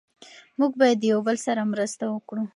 موږ باید د یو بل سره مرسته وکړو.